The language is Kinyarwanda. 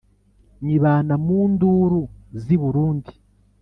Nyibana mu nduru ziburundi